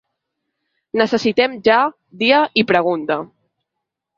Necessitem ja dia i pregunta.